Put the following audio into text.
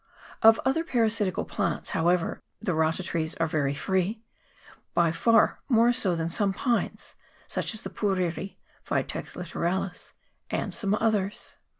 Of other para sitical plants, however, the rata trees are very free, by far more so than some pines, such as the puriri (Vitex litoralis) and some others.